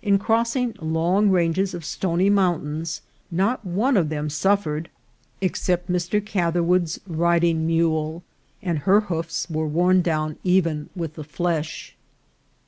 In crossing long ranges of stony mountains, not one of them suffered ex 22 254 INCIDENTS OF TRAVEL. cept Mr. Catherwood's riding mule, and her hoofs were worn down even with the flesh.